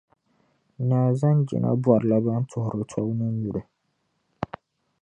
Naa Zanjina bɔrila ban tuhiri tobu ni nyuli.